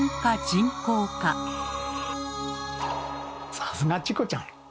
さすがチコちゃん。